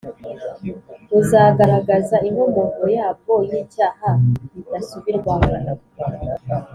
buzagaragaza inkomoko yabwo y’icyaha bidasubirwaho